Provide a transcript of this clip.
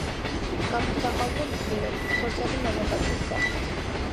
გამოსახავდნენ ძლიერი, ფრთოსანი მამაკაცის სახით.